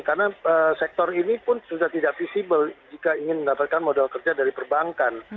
karena sektor ini pun sudah tidak visible jika ingin mendapatkan modal kerja dari perbankan